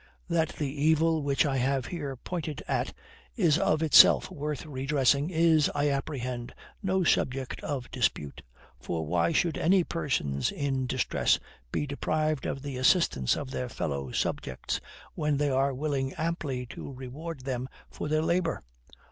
That the evil which I have here pointed at is of itself worth redressing, is, I apprehend, no subject of dispute; for why should any persons in distress be deprived of the assistance of their fellow subjects, when they are willing amply to reward them for their labor?